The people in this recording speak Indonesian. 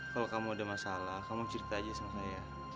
kalau kamu ada masalah kamu cerita aja sama saya